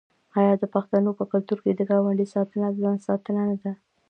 آیا د پښتنو په کلتور کې د ګاونډي ساتنه د ځان ساتنه نه ده؟